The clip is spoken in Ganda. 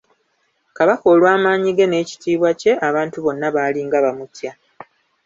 Kabaka olw’amaanyi ge n’ekitiibwa kye, abantu bonna baalinga bamutya.